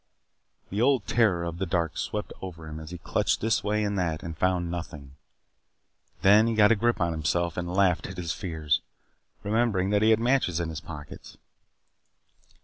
The old terror of the dark swept over him as he clutched this way and that and found nothing. Then he got a grip on himself and laughed at his fears remembering that he had matches in his pockets.